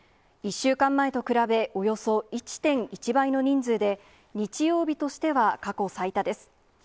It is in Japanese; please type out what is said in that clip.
１週間前と比べ、およそ１．１倍の人数で、日曜日としては過去最多です。